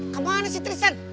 ke mana sih tristan